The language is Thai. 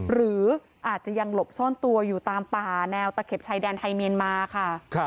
หรืออาจจะยังหลบซ่อนตัวอยู่ตามป่าแนวตะเข็บชายแดนไทยเมียนมาค่ะ